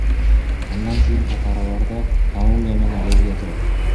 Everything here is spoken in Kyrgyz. Андан кийинки катарларда Колумбия менен Бельгия турат.